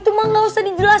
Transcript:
ya yang masih belum